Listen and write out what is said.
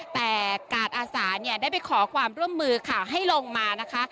แต่การอาสาได้ไปขอความร่วมมือให้ลงมานะคะ